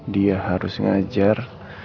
dia harus ngajar